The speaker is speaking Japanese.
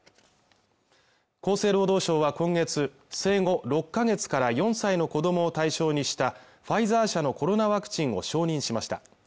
厚生労働省は今月生後６か月から４歳の子どもを対象にしたファイザー社のコロナワクチンを承認しました